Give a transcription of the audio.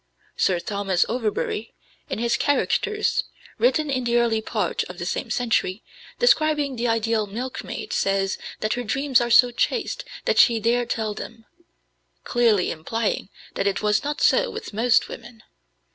Sir Thomas Overbury, in his Characters, written in the early part of the same century, describing the ideal milkmaid, says that "her dreams are so chaste that she dare tell them," clearly implying that It was not so with most women.